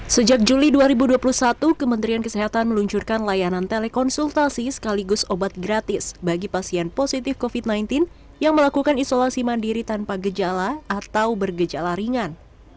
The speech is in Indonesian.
sejak juli dua ribu dua puluh satu kementerian kesehatan meluncurkan layanan telekonsultasi sekaligus obat gratis bagi pasien positif covid sembilan belas yang melakukan isolasi mandiri tanpa gejala atau bergejala ringan